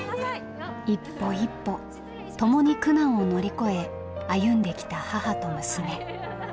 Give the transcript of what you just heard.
一歩一歩共に苦難を乗り越え歩んできた母と娘。